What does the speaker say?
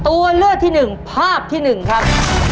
ตัวเลือกที่๑ภาพที่๑ครับ